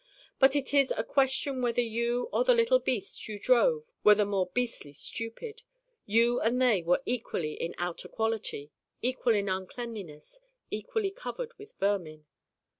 But it is a question whether you or the little beasts you drove were the more beastly stupid. You and they were equal in outer quality, equal in uncleanliness, equally covered with vermin.